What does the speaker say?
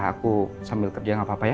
aku sambil kerja gak apa apa ya